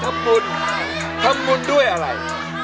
ทำบุญทำบุญด้วยอะไร